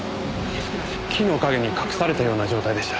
木の陰に隠されたような状態でした。